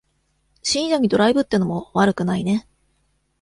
深夜にドライブってのも悪くないね。